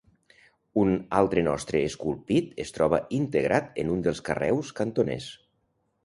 Un altre nostre esculpit es troba integrat en un dels carreus cantoners.